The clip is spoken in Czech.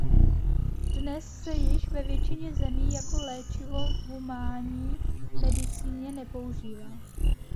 Dnes se již ve většině zemí jako léčivo v humánní medicíně nepoužívá.